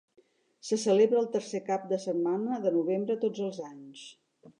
Se celebra el tercer cap de setmana de novembre tots els anys.